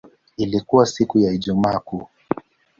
Ilikuwa siku ya Ijumaa Kuu.